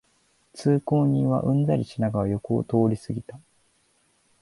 通行人はうんざりしながら横を通りすぎた